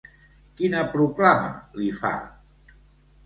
Quina proclama li fa?